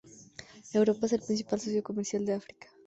Europa es el principal socio comercial de África.